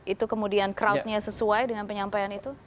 itu kemudian crowdnya sesuai dengan penyampaian itu